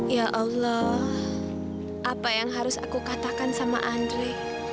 ya allah apa yang harus aku katakan sama andre